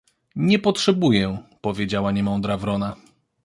— Nie potrzebuję — powiedziała niemądra wrona.